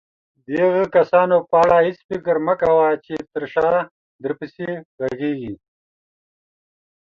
د هغه کسانو په اړه هيڅ فکر مه کوه چې تر شاه درپسې غږيږي.